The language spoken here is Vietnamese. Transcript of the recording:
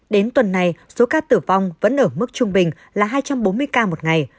đến tuần này số ca tử vong vẫn ở mức trung bình là hai trăm bốn mươi ca một ngày